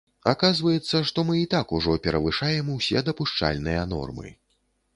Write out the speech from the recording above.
Аказваецца, што мы і так ужо перавышаем усе дапушчальныя нормы.